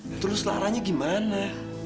ya terus laranya gimana